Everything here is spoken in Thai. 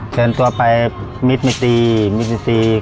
เชิญตัวไปมิตรมิตรี